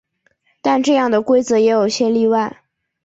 但这样的规则也有些例外。